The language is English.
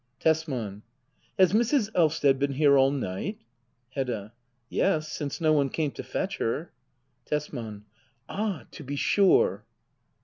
Tesman. Has Mrs. Elvsted been here all night ? Hedda. Yes, since no one came to fetch her. Tesman. Ah, to be sure.